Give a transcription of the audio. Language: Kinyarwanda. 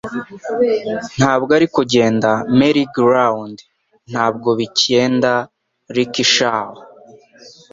Ntabwo ari kugenda merrygoround, ntabwo bigenda rickshaw,